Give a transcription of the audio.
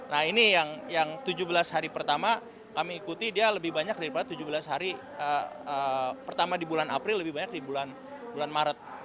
nah ini yang tujuh belas hari pertama kami ikuti dia lebih banyak daripada tujuh belas hari pertama di bulan april lebih banyak di bulan maret